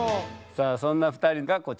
さあそんな２人がこちら。